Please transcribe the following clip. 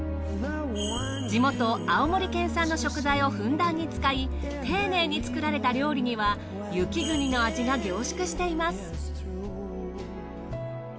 地元青森県産の食材をふんだんに使い丁寧に作られた料理には雪国の味が凝縮しています。